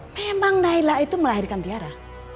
memang naila itu melahirkan tiara